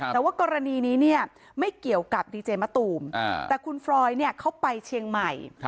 แต่ว่ากรณีนี้เนี่ยไม่เกี่ยวกับดีเจมะตูมแต่คุณฟรอยเนี่ยเขาไปเชียงใหม่